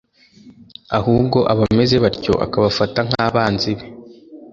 ahubwo abameze batyo akabafata nk’abanzi be